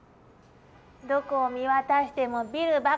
どこを見渡してもビルばかりじゃないの。